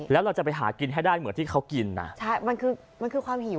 แล้วเราจะไปหากินให้ได้เหมือนที่เขากินน่ะใช่มันคือมันคือความหิว